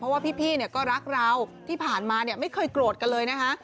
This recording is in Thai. เพราะว่าพี่เนี่ยก็รักเราที่ผ่านมาเนี่ยไม่เคยโกรธกันเลยนะคะ